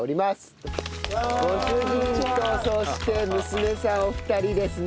ご主人とそして娘さんお二人ですね。